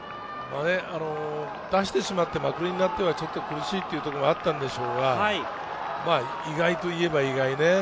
出してしまって、まくりになっては、ちょっと苦しいというところがあったんでしょうが、意外といえば、意外ね。